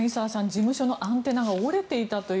事務所のアンテナが折れていたと。